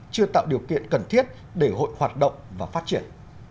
chưa tạo điều kiện cần thiết để hội hoạt động và phát triển